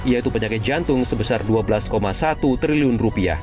yaitu penyakit jantung sebesar rp dua belas satu triliun